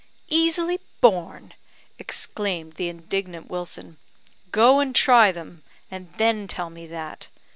"Easily borne!" exclaimed the indignant Wilson. "Go and try them; and then tell me that.